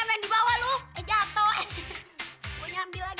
ehm mbah temennya mbah